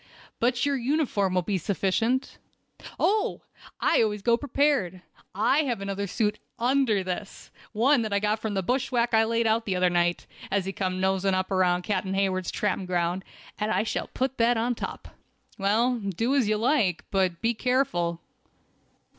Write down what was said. "But your uniform will be sufficient." "Oh! I always go prepared. I have another suit under this, one as I got from the bushwhack I laid out the other night, as he came noseing around Captain Hayward's tramping ground, and I shall put that on top." "Well, do as you like, but be careful!"